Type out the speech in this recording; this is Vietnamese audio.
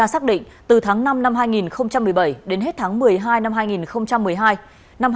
xác định từ tháng năm năm hai nghìn một mươi bảy đến hết tháng một mươi hai năm hai nghìn một mươi hai